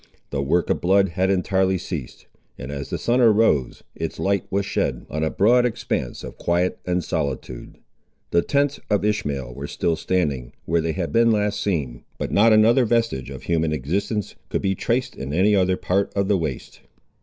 The work of blood had entirely ceased; and as the sun arose, its light was shed on a broad expanse of quiet and solitude. The tents of Ishmael were still standing, where they had been last seen, but not another vestige of human existence could be traced in any other part of the waste.